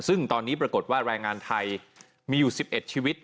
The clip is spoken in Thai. ซึ่งตอนนี้ปรากฏว่าแรงงานไทยมีอยู่๑๑ชีวิต